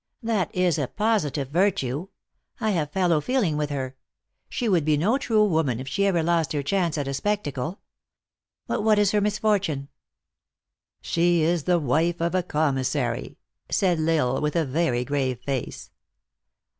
"That is a positive virtue. I have fellow feeling with her. She would be no true woman if she ever lost her chance at a spectacle. But what is her mis fortune ?"" She is the wife of a commissary," said L Isle with a very grave face.